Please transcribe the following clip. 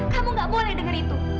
kamu gak boleh dengar itu